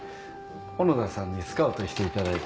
小野田さんにスカウトしていただいて。